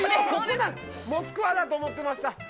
モスクワだと思ってました。